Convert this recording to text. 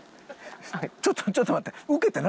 ちょっとちょっと待って。